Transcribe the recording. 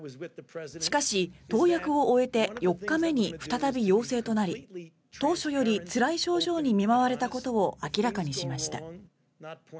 しかし、投薬を終えて４日目に再び陽性となり当初よりつらい症状に見舞われたことを明らかにしました。